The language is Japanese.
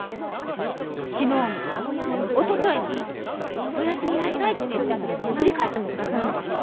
昨日もおとといも「おやすみなさい」って言っても振り返ってもくださらなかった！